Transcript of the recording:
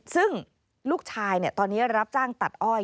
ซึ่งลูกชายตอนนี้รับจ้างตัดอ้อย